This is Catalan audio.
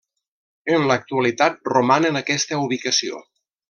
En l'actualitat roman en aquesta ubicació.